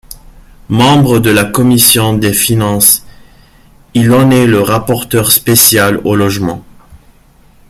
Membre de la commission des finances, il en est le rapporteur spécial au logement.